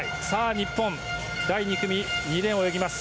日本、第２組２レーン泳ぎます。